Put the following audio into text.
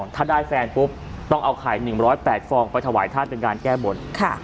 ถ้าได้แฟนปุ๊บต้องเอาไข่๑๐๘ฟองไปถวายท่านเป็นการแก้บน